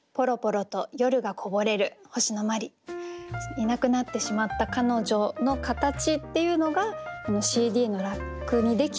いなくなってしまった彼女の形っていうのが「ＣＤのラックにできた隙間」。